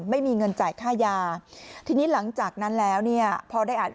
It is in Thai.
ไม่มีเงินจ่ายค่ายาทีนี้หลังจากนั้นแล้วเนี่ยพอได้อ่าน